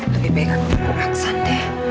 lebih baik aku buka aksan deh